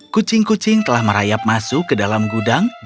kucing kucing telah merayap masuk ke dalam gudang